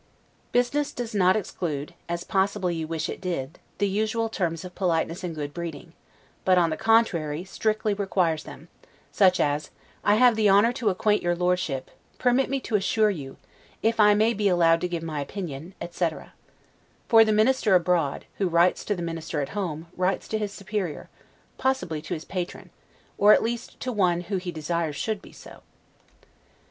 Business does not exclude (as possibly you wish it did) the usual terms of politeness and good breeding; but, on the contrary, strictly requires them: such as, I HAVE THE HONOR TO ACQUAINT YOUR LORDSHIP; PERMIT ME TO ASSURE YOU; IF I MAY BE ALLOWED TO GIVE MY OPINION, etc. For the minister abroad, who writes to the minister at home, writes to his superior; possibly to his patron, or at least to one who he desires should be so.